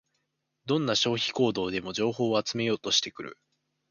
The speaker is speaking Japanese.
どんな消費行動でも情報を集めようとしてくる